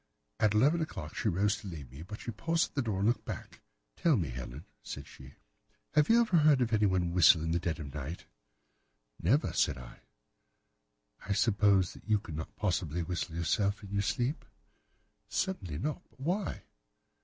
At eleven o'clock she rose to leave me, but she paused at the door and looked back. "'Tell me, Helen,' said she, 'have you ever heard anyone whistle in the dead of the night?' "'Never,' said I. "'I suppose that you could not possibly whistle, yourself, in your sleep?' "'Certainly not. But why?